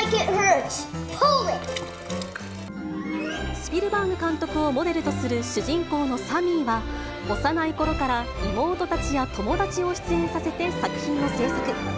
スピルバーグ監督をモデルとする主人公のサミーは、幼いころから妹たちや友達を出演させて、作品を製作。